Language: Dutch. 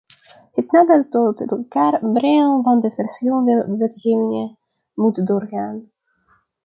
Het nader tot elkaar brengen van de verschillende wetgevingen moet doorgaan.